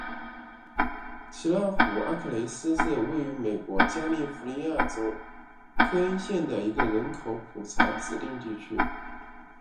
奇纳湖阿克雷斯是位于美国加利福尼亚州克恩县的一个人口普查指定地区。